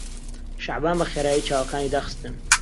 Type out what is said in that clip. شەعبان بەخێرایی چاوەکانی داخستن.